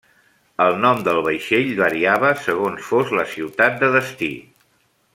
El nom del vaixell variava segons fos la ciutat de destí.